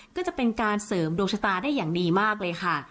ก็จะเป็นการเสริมดวงชะตาได้อย่างดีมากเลยค่ะ